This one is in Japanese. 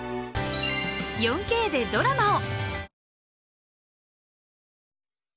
４Ｋでドラマを！